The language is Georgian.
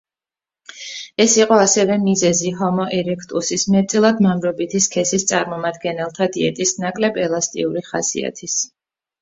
ეს იყო ასევე მიზეზი ჰომო ერექტუსის მეტწილად მამრობითი სქესის წარმომადგენელთა დიეტის ნაკლებ ელასტიური ხასიათის.